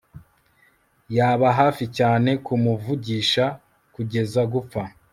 yaba hafi cyane kumuvugisha kugeza gupfa